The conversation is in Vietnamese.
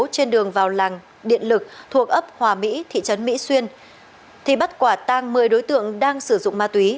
trên đường vào làng điện lực thuộc ấp hòa mỹ thị trấn mỹ xuyên thì bắt quả tang một mươi đối tượng đang sử dụng ma túy